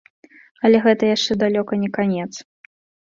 Але гэта яшчэ далёка не канец.